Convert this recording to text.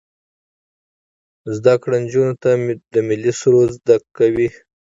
زده کړه نجونو ته د ملي سرود زده کوي.